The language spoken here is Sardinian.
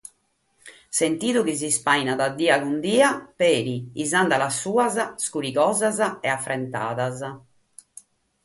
Sentidu chi s’ispàinat die cun die peri sos gurgos suos iscurigosos e afrentados.